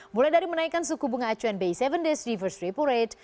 mulai dari menaikkan suku bunga acuan bi tujuh days reverse repo rate